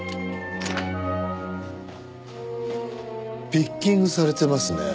ピッキングされてますね。